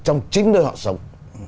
trong chính nơi họ sống